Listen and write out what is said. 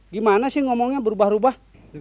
gimana sih ngomongnya berubah ubah